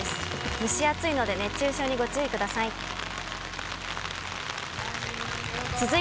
蒸し暑いので熱中症にご注意ください。